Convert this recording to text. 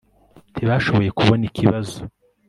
Ntibashoboye kubona ikibazo